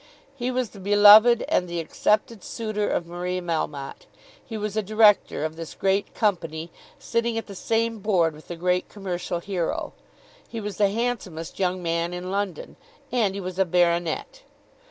He was the beloved and the accepted suitor of Marie Melmotte. He was a Director of this great company, sitting at the same board with the great commercial hero. He was the handsomest young man in London. And he was a baronet.